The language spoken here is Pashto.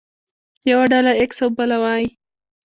يوه ډله ايکس او بله وايي.